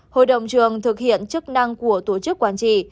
hội đồng trường thực hiện chức năng của tổ chức quản trị